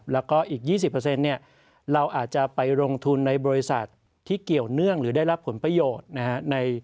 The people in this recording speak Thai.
แล้วก็อีก๒๐เนี่ยเราอาจจะไปลงทุนในบริษัทที่เกี่ยวเนื่องหรือได้รับผลประโยชน์นะฮะ